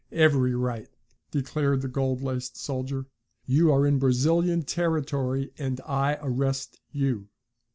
"Every right," declared the gold laced officer. "You are in Brazilian territory, and I arrest you."